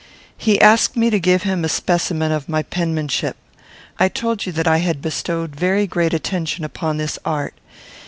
He asked me to give him a specimen of my penmanship. I told you that I had bestowed very great attention upon this art.